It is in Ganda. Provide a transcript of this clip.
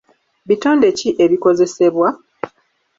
Bitonde ki ebikosebwa?